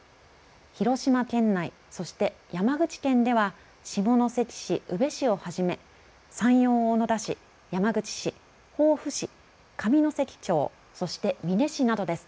広島県内、そして山口県では下関市、宇部市をはじめ山陽小野田市、山口市、防府市、上関町、そして美祢市などです。